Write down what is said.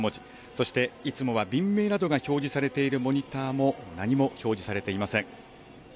そして、いつもは便名などが表示されているモニターも、何も表示されていません。